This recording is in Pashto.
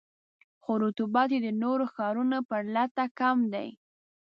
خو رطوبت یې د نورو ښارونو په پرتله کم دی.